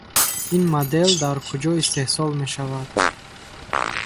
Ин модел дар куҷо истеҳсол мешавад?